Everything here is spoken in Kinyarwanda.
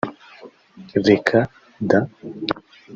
“Reka da